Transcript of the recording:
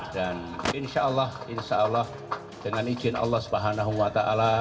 dan insya allah dengan izin allah swt